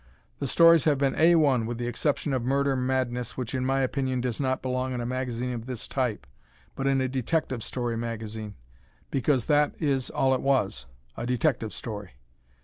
The stories have been A 1 with the exception of "Murder Madness," which, in my opinion, does not belong in a magazine of this type, but in a detective story magazine, because that is all it was a detective story.